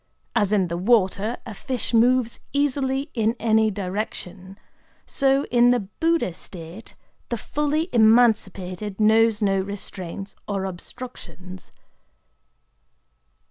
As in the water a fish moves easily in any direction, so in the Buddha state the fully emancipated knows no restraints or obstructions.